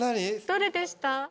どれでした？